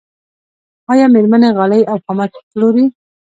آیا میرمنې غالۍ او خامک پلوري؟